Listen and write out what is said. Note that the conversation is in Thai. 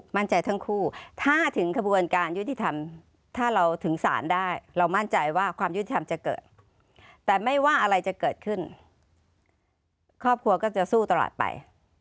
ทั้งคู่ถ้าถึงขบวนการยุติธรรมถ้าเราถึงศาลได้เรามั่นใจว่าความยุติธรรมจะเกิดแต่ไม่ว่าอะไรจะเกิดขึ้นครอบครัวก็จะสู้ตลอดไป